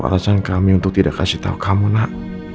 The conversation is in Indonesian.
alasan kami untuk tidak kasih tahu kamu nak